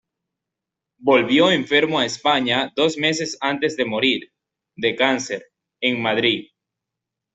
Volvió enfermo a España dos meses antes de morir, de cáncer, en Madrid.